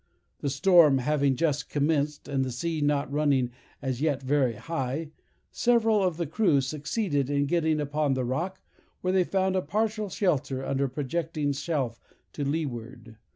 The storm having just commenced, and the sea not running as yet very high, several of the crew succeeded in getting upon the rock, where they found a partial shelter under a projecting shelf to leeward.